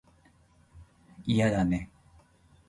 嫌だね